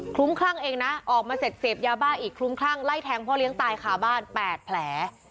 ลุ้มคลั่งเองนะออกมาเสร็จเสพยาบ้าอีกคลุ้มคลั่งไล่แทงพ่อเลี้ยงตายขาบ้าน๘แผล